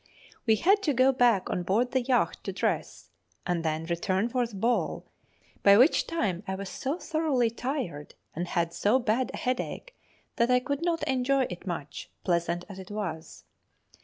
] We had to go back on board the yacht to dress, and then return for the ball, by which time I was so thoroughly tired, and had so bad a headache, that I could not enjoy it much, pleasant as it was.